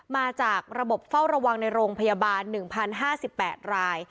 มาจากระบบเฝ้าระวังในโรงพยาบาล๑๐๕๘ราย